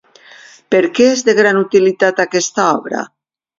Per què és de gran utilitat aquesta obra?